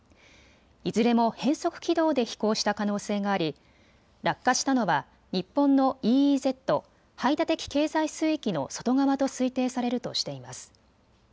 いずれも変則軌道で飛行した可能性があり落下したのは日本のＥＥＺ・排他的経済水域の外側と推定されるとしています。